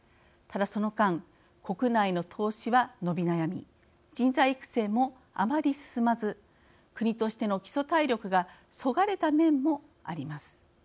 ただ、その間国内の投資は伸び悩み人材育成もあまり進まず国としての基礎体力がそがれた面もあります。